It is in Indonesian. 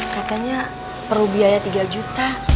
katanya perlu biaya tiga juta